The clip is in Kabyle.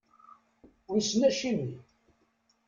Wissen acimi?